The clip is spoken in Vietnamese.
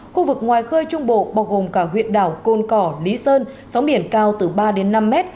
khu vực ngoài khơi trung bộ bao gồm cả huyện đảo côn cỏ lý sơn sóng biển cao từ ba đến năm mét